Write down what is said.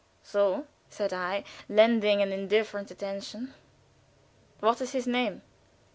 "So!" said I, lending but an indifferent attention; "what is his name?"